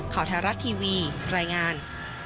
ข่าวไทยรัฐทีวีรายงาน